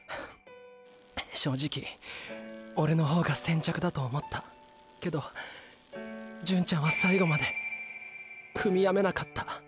正直オレの方が先着だと思ったーーけど純ちゃんは最後まで踏みやめなかった。